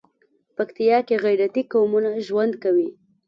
پکتيا کې غيرتي قومونه ژوند کوي.